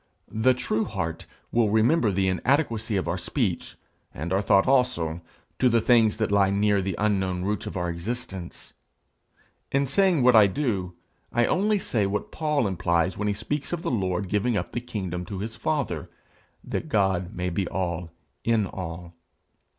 The true heart will remember the inadequacy of our speech, and our thought also, to the things that lie near the unknown roots of our existence. In saying what I do, I only say what Paul implies when he speaks of the Lord giving up the kingdom to his father, that God may be all in all.